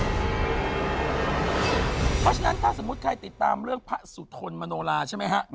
เพราะฉะนั้นถ้าสมมุติใครติดตามเรื่องพระสุทนมโนลาใช่ไหมฮะ